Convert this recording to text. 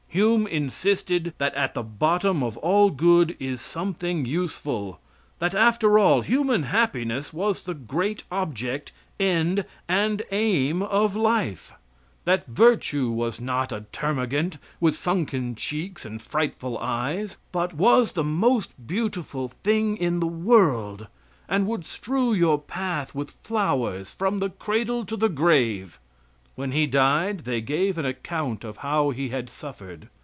Hume insisted that at the bottom of all good is something useful; that after all, human happiness was the great object, end, and aim of life; that virtue was not a termagant, with sunken cheeks and frightful eyes, but was the most beautiful thing in the world, and would strew your path with flowers from the cradle to the grave. When he died they gave an account of how he had suffered.